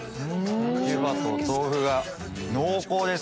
湯葉とお豆腐が濃厚です！